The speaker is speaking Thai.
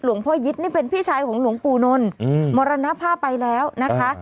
พ่อยิตนี่เป็นพี่ชายของหลวงปู่นนท์มรณภาพไปแล้วนะคะ